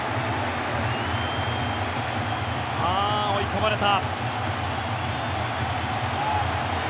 さあ、追い込まれた。